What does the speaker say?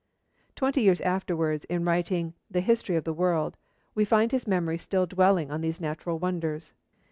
Twenty years afterwards, in writing The History of the World, we find his memory still dwelling on these natural wonders.